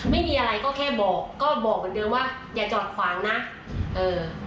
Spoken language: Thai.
ไม่มีอะไรก็แค่บอกก็บอกเหมือนเดิมว่าอย่าจอดขวางนะเอ่อ